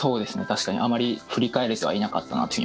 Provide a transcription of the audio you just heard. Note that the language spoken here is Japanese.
確かにあまり振り返れてはいなかったなって。